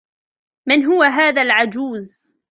من هو هذا العجوز ؟